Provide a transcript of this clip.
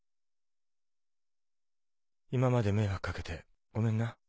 今まで迷惑掛けてごめんな。